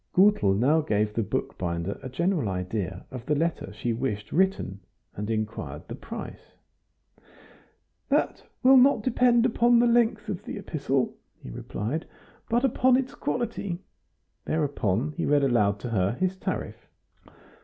Gutel now gave the bookbinder a general idea of the letter she wished written, and inquired the price. "That will not depend upon the length of the epistle," he replied, "but upon its quality." Thereupon he read aloud to her his tariff.